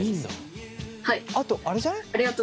あとあれじゃない？